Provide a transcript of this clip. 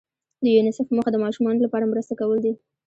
د یونیسف موخه د ماشومانو لپاره مرسته کول دي.